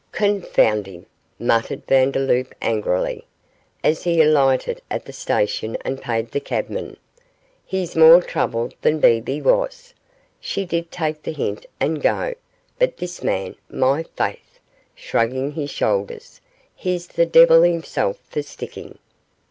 'Confound him!' muttered Vandeloup, angrily, as he alighted at the station and paid the cabman, 'he's more trouble than Bebe was; she did take the hint and go, but this man, my faith!' shrugging his shoulders, 'he's the devil himself for sticking.